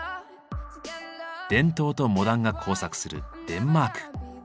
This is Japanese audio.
伝統とモダンが交錯するデンマーク。